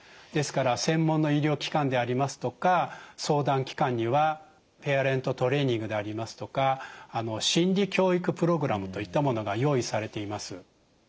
ですから専門の医療機関でありますとか相談機関にはペアレントトレーニングでありますとか心理教育プログラムといったものが用意されています。